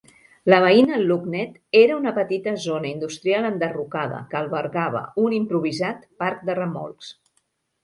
La veïna Lugnet era una petita zona industrial enderrocada, que albergava un improvisat parc de remolcs.